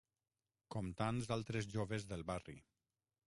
Com tants altres joves del barri.